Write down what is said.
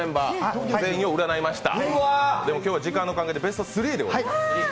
でも今日は時間の関係でベスト３でございます。